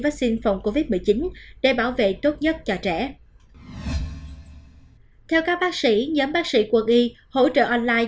vaccine phòng covid một mươi chín để bảo vệ tốt nhất cho trẻ theo các bác sĩ nhóm bác sĩ quân y hỗ trợ online